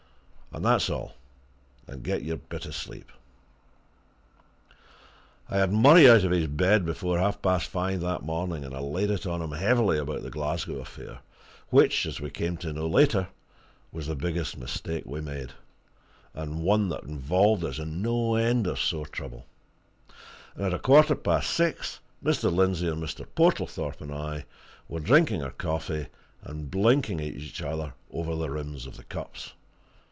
And that's all and get your bit of sleep." I had Murray out of his bed before half past five that morning, and I laid it on him heavily about the Glasgow affair, which, as we came to know later, was the biggest mistake we made, and one that involved us in no end of sore trouble; and at a quarter past six Mr. Lindsey and Mr. Portlethorpe and I were drinking our coffee and blinking at each other over the rims of the cups.